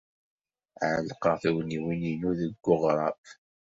Ɛellqeɣ tugniwin-inu deg weɣrab.